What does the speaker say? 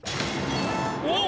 おっ！